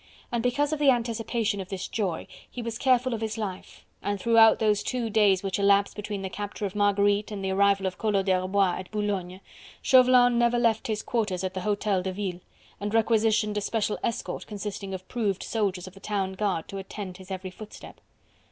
And because of the anticipation of this joy, he was careful of his life, and throughout those two days which elapsed between the capture of Marguerite and the arrival of Collot d'Herbois at Boulogne, Chauvelin never left his quarters at the Hotel de Ville, and requisitioned a special escort consisting of proved soldiers of the town guard to attend his every footstep.